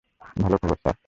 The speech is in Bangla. ভালো খবর স্যার।